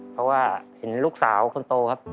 เพราะว่าเห็นลูกสาวคนโตครับ